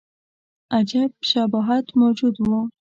عجیب شباهت موجود وو.